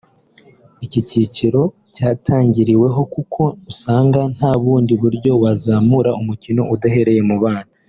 Iki cyiciro cyatangiriweho kuko usanga nta bundi buryo wazamura umukino udahereye mu bana